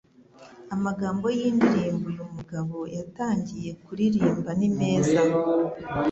Amagambo y'indirimbo uyu mugabo yatangiye kuririmba ni meza